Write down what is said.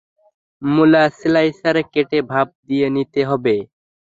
মুলা স্লাইসারে কেটে ভাঁপ দিয়ে নিতে হবে।